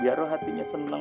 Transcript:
biar lu hatinya senang